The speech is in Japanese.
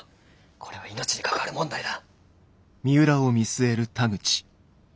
これは命に関わる問題だ。